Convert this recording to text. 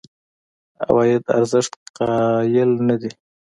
عوایدو ارزښت قایل نه دي.